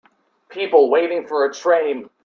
People waiting for a train.